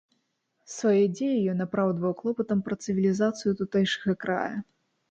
Свае дзеі ён апраўдваў клопатам пра цывілізацыю тутэйшага края.